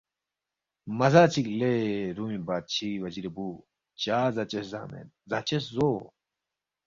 مہ زا چِک لے رُومی بادشی وزیری بُو، چا زاچس زا مید؟ زاچس زو